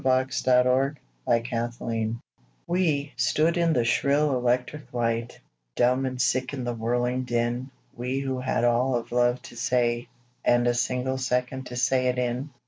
IN A RAILROAD STATION WE stood in the shrill electric light, Dumb and sick in the whirling din We who had all of love to say And a single second to say it in.